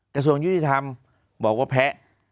กระทรวงยุติธรรมบอกว่าแพ้